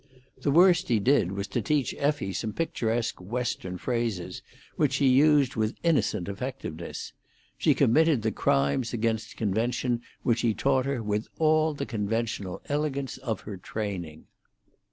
The worst he did was to teach Effie some picturesque Western phrases, which she used with innocent effectiveness; she committed the crimes against convention which he taught her with all the conventional elegance of her training.